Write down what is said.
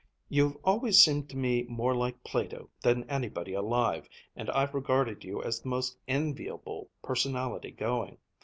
You've always seemed to me more like Plato than anybody alive, and I've regarded you as the most enviable personality going.